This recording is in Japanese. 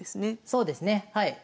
そうですねはい。